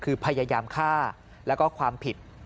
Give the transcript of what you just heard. คือพยายามฆ่าแล้วก็ความผิด